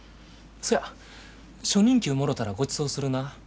そや初任給もろたらごちそうするな。